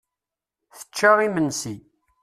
Tečča imensi.